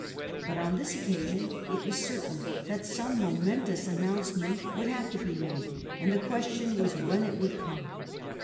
But on this occasion it was certain that some momentous announcement would have to be made ; and the question was when it would come.